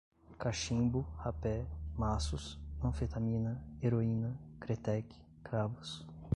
cachimbo, rapé, maços, anfetamina, heroína, kretek, cravos